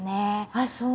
ああそう。